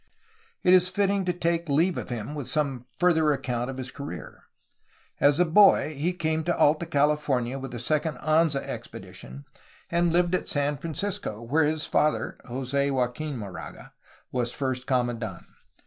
It is fitting to take leave of him with some further account of his career. As a boy he came to Alta California with the second Anza expedi tion, and lived at San Francisco, where his father (Jose Joaqufn Moraga) was first commandant.